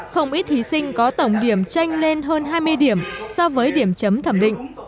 không ít thí sinh có tổng điểm tranh lên hơn hai mươi điểm so với điểm chấm thẩm định